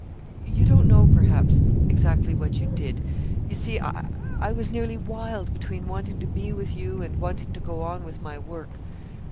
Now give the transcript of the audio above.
"You don't know, perhaps, exactly what you did. You see, I was nearly wild between wanting to be with you, and wanting to go on with my work.